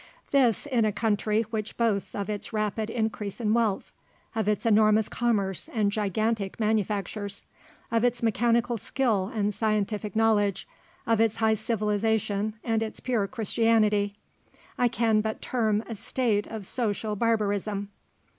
This, in a country which boasts of its rapid increase in wealth, of its enormous commerce and gigantic manufactures, of its mechanical skill and scientific knowledge, of its high civilization and its pure Christianity, I can but term a state of social barbarism.